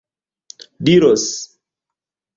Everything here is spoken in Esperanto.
diros